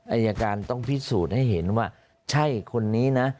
อายการต้องพิสูจน์ให้เห็นว่าใช่คนนี้นะ